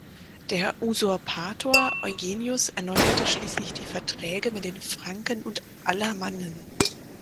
Der Usurpator Eugenius erneuerte schließlich die Verträge mit den Franken und Alamannen.